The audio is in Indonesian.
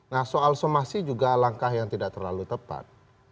nah soal somasi juga langkah yang tidak terlalu tepat